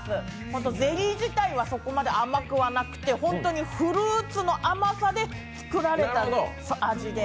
本当にゼリー自体はそこまで甘くはなくてフルーツの甘さで作られた味で。